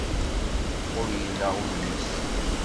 Xuyleɣ udem-is.